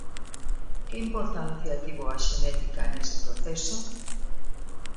Que importancia tivo a xenética nese proceso?